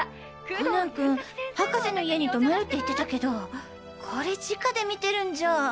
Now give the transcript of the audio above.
コナン君博士の家に泊まるって言ってたけどこれ直で見てるんじゃ。